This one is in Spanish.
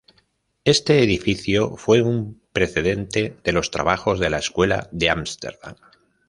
Este edificio fue un precedente de los trabajos de la Escuela de Ámsterdam.